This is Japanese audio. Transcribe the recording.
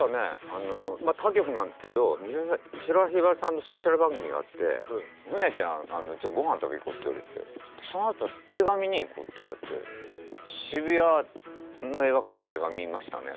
他局なんですけど美空ひばりさんのスペシャル番組があって「フミヤちゃんごはん食べに行こう」って言われてそのあと「映画見に行こう」って言われて渋谷の映画館で映画見ましたね。